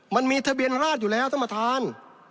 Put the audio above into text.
มันมีทะเบียนราชอยู่แล้วท่านประธาน